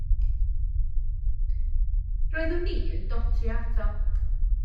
Roeddwn i yn dotio ato.